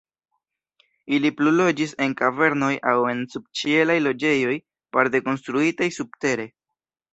Ili plu loĝis en kavernoj aŭ en subĉielaj loĝejoj, parte konstruitaj subtere.